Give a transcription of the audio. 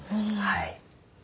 はい。